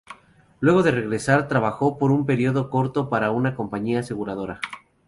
Luego de egresar trabajó por un periodo corto para una compañía aseguradora.